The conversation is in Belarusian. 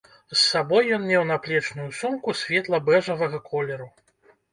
З сабой ён меў наплечную сумку светла-бэжавага колеру.